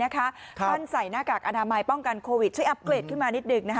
ท่านใส่หน้ากากอนามัยป้องกันโควิดช่วยอัปเกรดขึ้นมานิดหนึ่ง